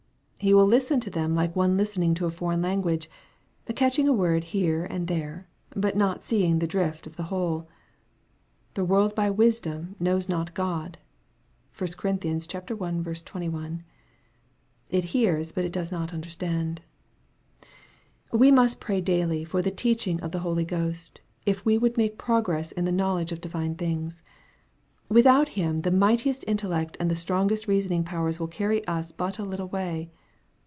He will listen to them like one listening to a foreign language, catching a word here and there, but not seeing the drift of the whole. " The world by wisdom knows not God." (1 Cor. i. 21.) It hears, but does not understand. We must pray daily for the teaching of the Holy Ghost, if we would make progress in the knowledge of divine things. Without Him, the mightiest intellect and the strongest reasoning powers will carry us but a little way.